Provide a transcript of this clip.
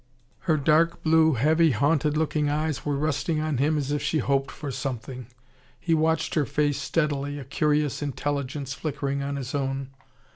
Her dark blue, heavy, haunted looking eyes were resting on him as if she hoped for something. He watched her face steadily, a curious intelligence flickering on his own.